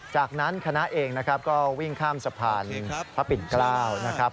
จากนั้นคณะเองนะครับก็วิ่งข้ามสะพานพระปิ่นเกล้านะครับ